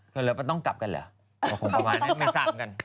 ทำเลป่าวต้องกลับกันเหรอ